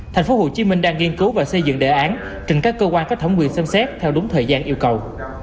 tp hcm đang nghiên cứu và xây dựng đề án trình các cơ quan có thẩm quyền xem xét theo đúng thời gian yêu cầu